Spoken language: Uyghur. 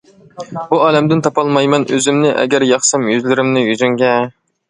بۇ ئالەمدىن تاپالمايمەن ئۆزۈمنى، ئەگەر ياقسام يۈزلىرىمنى يۈزۈڭگە.